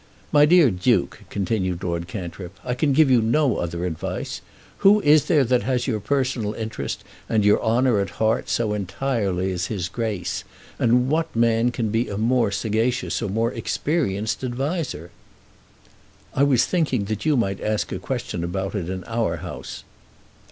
"My dear Duke," continued Lord Cantrip, "I can give you no other advice. Who is there that has your personal interest and your honour at heart so entirely as his Grace; and what man can be a more sagacious or more experienced adviser?" "I was thinking that you might ask a question about it in our House."